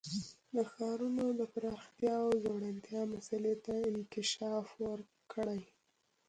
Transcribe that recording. د ښارونو د پراختیا او ځوړتیا مسئلې ته انکشاف ورکړي.